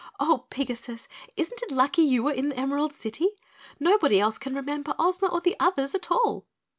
"Oh, Pigasus, isn't it lucky you were in the Emerald City? Nobody else can remember Ozma or the others at all."